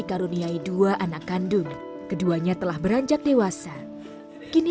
ini saya sudah terima kasih